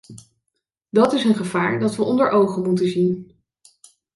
Dat is een gevaar dat we onder ogen moeten zien.